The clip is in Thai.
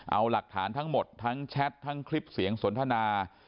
เอาหลักฐานทั้งหมดทั้งแชททั้งคลิปเสียงสนทนา